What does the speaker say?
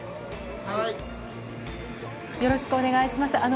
よろしくお願いします。